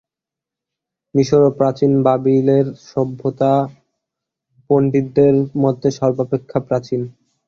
মিসর ও প্রাচীন বাবিলের সভ্যতা পণ্ডিতদের মতে সর্বাপেক্ষা প্রাচীন।